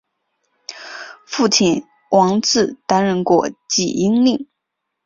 父亲王志担任过济阴令。